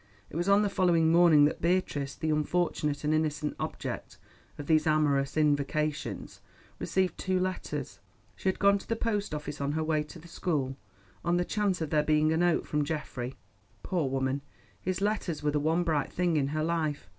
It was on the following morning that Beatrice, the unfortunate and innocent object of these amorous invocations, received the two letters. She had gone to the post office on her way to the school, on the chance of there being a note from Geoffrey. Poor woman, his letters were the one bright thing in her life.